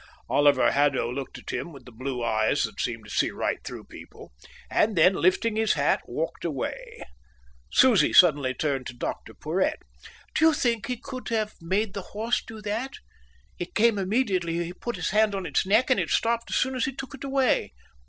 Oliver Haddo looked at him with the blue eyes that seemed to see right through people, and then, lifting his hat, walked away. Susie turned suddenly to Dr Porhoët. "Do you think he could have made the horse do that? It came immediately he put his hand on its neck, and it stopped as soon as he took it away."